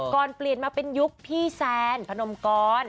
ก่อนเปลี่ยนมาเป็นยุคพี่แซนพนมกร